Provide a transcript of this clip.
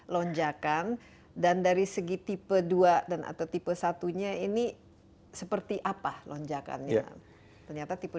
lonjakan dan dari segi tipe dua dan atau tipe satunya ini seperti apa lonjakannya ternyata tipe